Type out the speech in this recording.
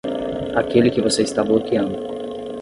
Aquele que você está bloqueando.